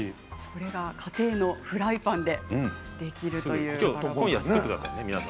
これが家庭のフライパンでできるという。